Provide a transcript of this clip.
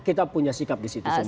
kita punya sikap di situ sendiri